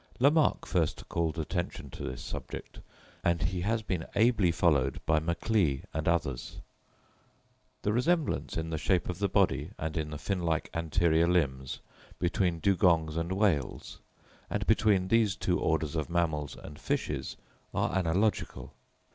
Lamarck first called attention to this subject, and he has been ably followed by Macleay and others. The resemblance in the shape of the body and in the fin like anterior limbs between dugongs and whales, and between these two orders of mammals and fishes, are analogical.